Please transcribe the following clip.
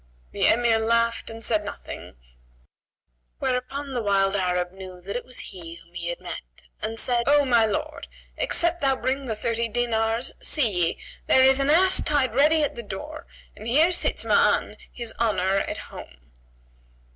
The Emir laughed and said nothing; whereupon the wild Arab knew that it was he whom he had met and said, "O my lord, except thou bring the thirty dinars, see ye, there is the ass tied ready at the door and here sits Ma'an, his honour, at home."